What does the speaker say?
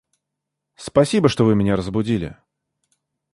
Спасибо, что вы меня разбудили...